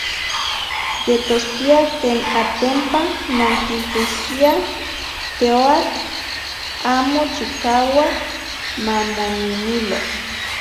Yetoskia ken, atenpa, nankiluiskiaj teoatl amo chikauak mamomimilo.